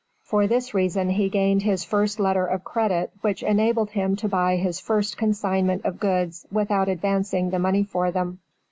For this reason he gained his first letter of credit which enabled him to buy his first consignment of goods without advancing the money for them.